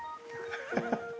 ハッハハ。